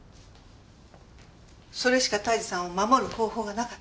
それしか泰治さんを守る方法がなかったから。